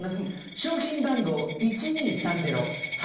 商品番号１２３０８